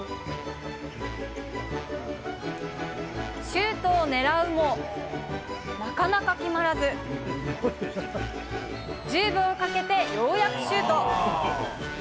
シュートを狙うも、なかなか決まらず、１０秒かけてようやくシュート。